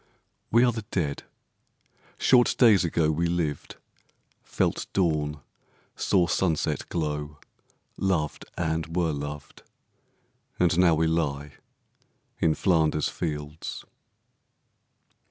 We are the Dead. Short days ago We lived, felt dawn, saw sunset glow, Loved, and were loved, and now we lie In Flanders fields.